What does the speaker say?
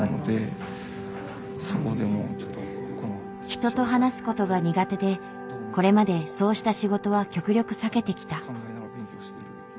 人と話すことが苦手でこれまでそうした仕事は極力避けてきた。